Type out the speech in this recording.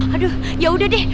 aduh yaudah deh